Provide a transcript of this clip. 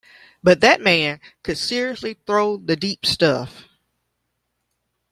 But that man could seriously throw the deep stuff.